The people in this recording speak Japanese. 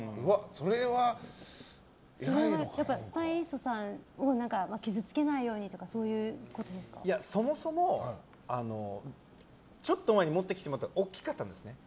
それはスタイリストさんを傷つけないようにとかそもそも、ちょっと前に持ってきてもらったのが大きかったんですね。